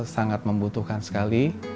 sangat membutuhkan sekali